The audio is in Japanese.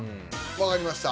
わかりました。